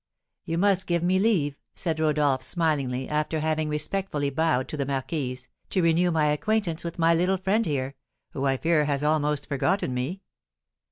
"You must give me leave," said Rodolph, smilingly, after having respectfully bowed to the marquise, "to renew my acquaintance with my little friend here, who I fear has almost forgotten me."